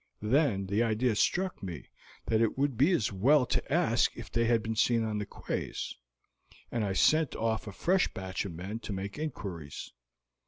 Then the idea struck me that it would be as well to ask if they had been seen on the quays, and I sent off a fresh batch of men to make inquiries.